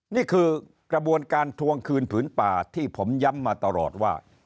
นี่คือกระบวนการทวงคืนผืนป่าที่ผมย้ำมาตลอดว่า